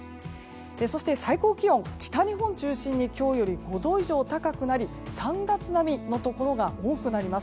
そして最高気温北日本中心に今日より５度以上高くなり３月並みのところが多くなります。